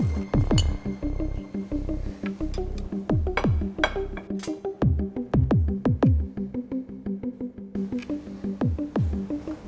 aku mau makan